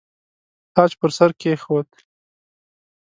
تاج پر سر کښېښود.